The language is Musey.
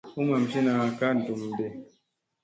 U mamsina ka ndum ɗi.